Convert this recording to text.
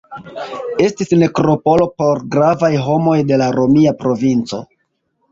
Estis nekropolo por gravaj homoj de la romia provinco.